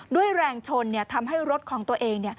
ด้วยแรงชนทำให้รถของตัวเอง